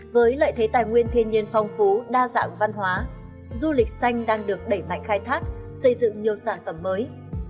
với lợi thế tài nguyên thiên nhiên phong phú đa dạng văn hóa du lịch xanh đang được đẩy mạnh khai thác xây dựng nhiều sản phẩm mới